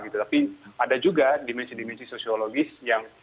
tapi ada juga dimensi dimensi sosiologis yang